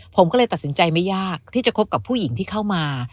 ผมก็เลยตัดสินใจไม่ยากที่จะคบกับผู้หญิงที่เข้ามา